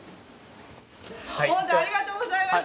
本当ありがとうございました。